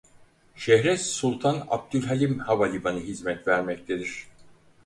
Şehre Sultan Abdülhalim Havalimanı hizmet vermektedir.